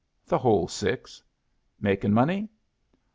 "The whole six." "Makin' money?"